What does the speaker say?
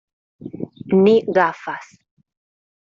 ni gafas.